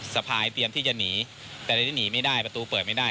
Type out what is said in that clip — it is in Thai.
สะพายเตรียมที่จะหนีแต่ในที่หนีไม่ได้ประตูเปิดไม่ได้